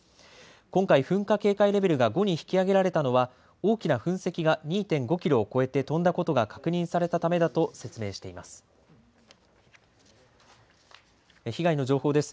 今回、噴火警戒レベルが５に引き上げられたのは大きな噴石が２．５キロを越えて飛んだことが確認されたためだと説明しています。